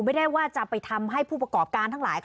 ไม่ได้ว่าจะไปทำให้ผู้ประกอบการทั้งหลาย